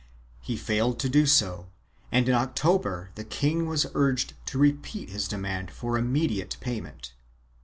He failed to do so and in October the king was urged to repeat his demand for immediate payment.